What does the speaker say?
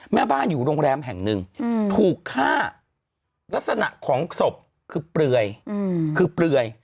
แม่บ้านอยู่โรงแรมแห่งหนึ่งถูกฆ่าลักษณะของศพคือเปลือยคือเปลือย